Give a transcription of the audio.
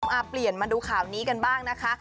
อ่าเปลี่ยนมาดูข่าวนี้กันบ้างนะคะ